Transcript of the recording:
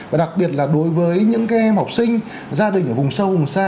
và đặc biệt là đối với những em học sinh gia đình ở vùng sâu vùng xa